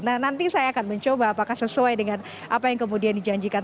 nah nanti saya akan mencoba apakah sesuai dengan apa yang kemudian dijanjikan